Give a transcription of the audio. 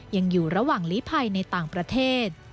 ยังอยู่ระหว่างลีภัยในต่างประเทศ